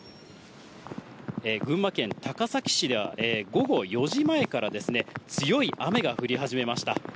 群馬県高崎市では、午後４時前から、強い雨が降り始めました。